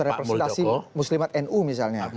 oh terrepresentasi muslimat nu misalnya